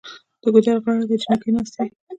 د ګودر غاړې ته جینکۍ ناستې وې